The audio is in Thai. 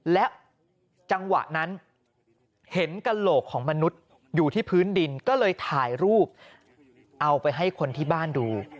และจังหวะนั้นเห็นกระโหลกของมนุษย์อยู่ที่พื้นดินก็เลยถ่ายรูปเอาไปให้คนที่บ้านดู